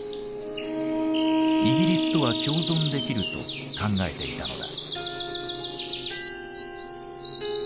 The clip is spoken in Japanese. イギリスとは共存できると考えていたのだ。